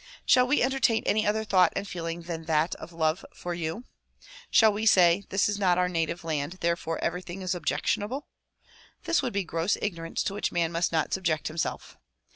Shall we entertain any other thought and feeling than that of love for you? Shall we say "This is not our native land therefore everything is objectionable?" This would be gross ignorance to Avhieh man must not subject himself.